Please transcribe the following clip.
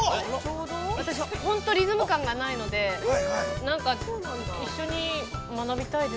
私、本当、リズム感がないのでなんか一緒に学びたいです。